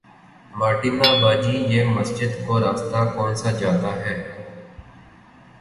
Martina باجی یہ مسجد کو راستہ کونسا جاتا ہے